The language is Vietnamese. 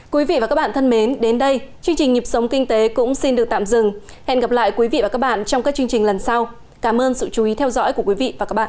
quý vị và các bạn thân mến đến đây chương trình nhịp sống kinh tế cũng xin được tạm dừng hẹn gặp lại quý vị và các bạn trong các chương trình lần sau cảm ơn sự chú ý theo dõi của quý vị và các bạn